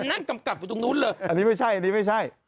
อันนี้ไม่ใช่อันนี้ไม่ใช่